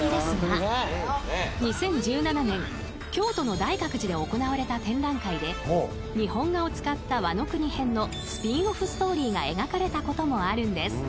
［２０１７年京都の大覚寺で行われた展覧会で日本画を使ったワノ国編のスピンオフストーリーが描かれたこともあるんです］